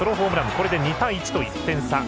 これで２対１と１点差。